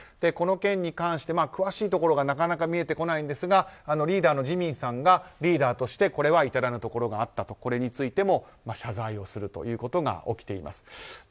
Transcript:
この件に関して、詳しいところがなかなか見えてこないんですがリーダーのジミンさんがリーダーとして至らぬところがあったとこれについても謝罪をするということが起きています。